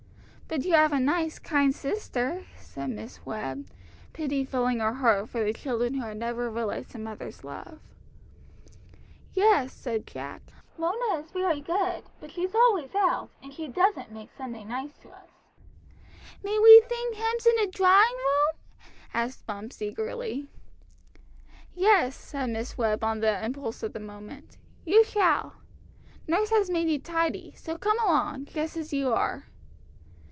"But you have a nice kind sister," said Miss Webb, pity filling her heart for the children who had never realised a mother's love. "Yes," said Jack; "Mona is very good, but she's always out, and she doesn't make Sunday nice to us." "May we thing hymns in the drawing room?" asked Bumps eagerly. "Yes," said Miss Webb on the impulse of the moment, "you shall. Nurse has made you tidy, so come along, just as you are."